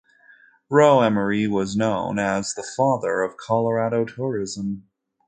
Roe Emery was known as "the Father of Colorado Tourism".